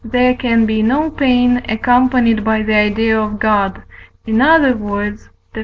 there can be no pain accompanied by the idea of God, in other words (Def.